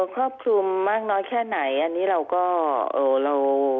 ครอบคลุมมากน้อยแค่ไหนอันนี้เราก็เอ่อเรา